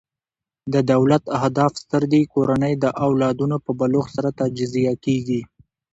د دولت اهداف ستر دي؛ کورنۍ د او لادونو په بلوغ سره تجزیه کیږي.